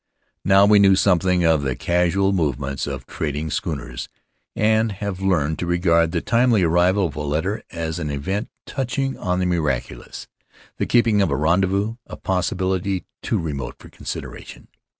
Now we know something of the casual movements of trading schooners and have learned to regard the timely arrival of a letter as an event touching on the miracu lous — the keeping of a rendezvous, a possibility too remote for consideration.